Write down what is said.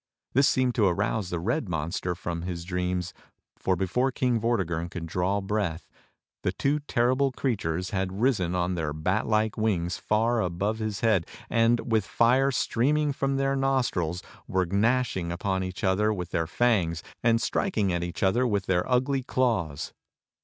This seemed to arouse the red monster from his dreams, for before King Vortigern could draw breath, the two terrible creatures 10 THE STORY OF KING ARTHUR had risen on their bat like wings far above his head, and, with fire streaming from their nostrils, were gnashing upon each other with their fangs, and striking at each other with their ugly claws.